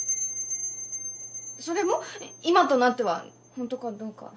それも今となってはホントかどうか。